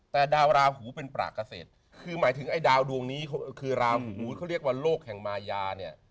แต่ดาวราหูเป็นปรากเกษตรคือหมายถึงไอ้ดาวดวงนี้คือราหูเขาเรียกว่าโลกแห่งมายาเนี่ย